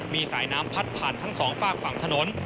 มีสายน้ำพัดผ่านทั้งสองฝากฝั่งถนน